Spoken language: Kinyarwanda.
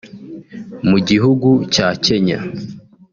Mu gihugu cya Kenya